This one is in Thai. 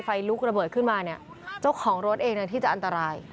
ไฟลุกระเบิดขึ้นมาเนี่ยเจ้าของรถเองที่จะอันตราย